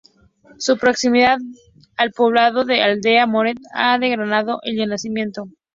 Su proximidad al poblado de Aldea Moret ha degradado el yacimiento.